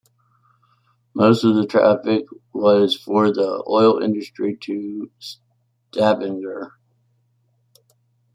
Most of the traffic was for the oil industry to Stavanger.